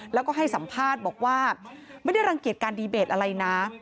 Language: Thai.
แล้วก็ให้สัมภาษณ์บอกว่าไม่ได้รังเกียจการดีเบตอะไรนะ